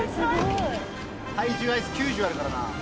体重あいつ９０あるからな。